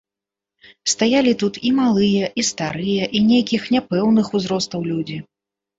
Стаялі тут і малыя, і старыя, і нейкіх няпэўных узростаў людзі.